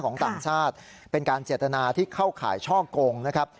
ต่างชาติเป็นการเจตนาที่เข้าข่ายช่อกงนะครับ